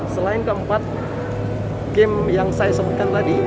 selain keempat game yang saya sebutkan tadi